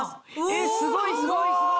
えっすごいすごい！